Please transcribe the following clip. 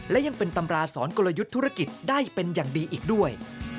และยังเป็นตำราสอนกลยุทธ์ธุรกิจได้เป็นอย่างดีอีกด้วย